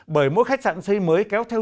bởi mỗi khách sạn xây mới kéo theo